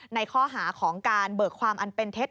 ในข้อหาของการเบิกความอันเป็นเท็จ